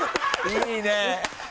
いいね！